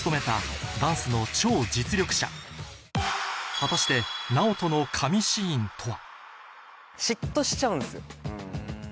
果たしてＮＡＯＴＯの神シーンとは？